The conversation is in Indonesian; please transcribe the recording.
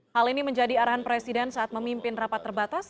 hal ini menjadi arahan presiden saat memimpin rapat terbatas